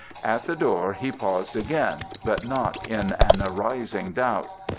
At the door he paused again, but not in an arising doubt.